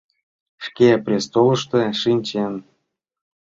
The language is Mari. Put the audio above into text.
Шке престолышто шинчен.